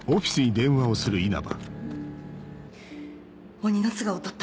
鬼の素顔を撮った。